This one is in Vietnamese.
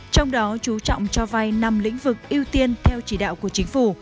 trong đó chú trọng cho vay năm lĩnh vực ưu tiên theo chỉ đạo của chính phủ